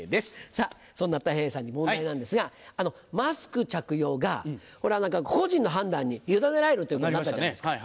さぁそんなたい平さんに問題なんですがマスク着用が個人の判断に委ねられるということになったじゃないですか。